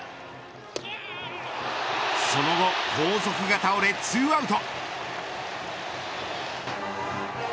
その後、後続が倒れ２アウト。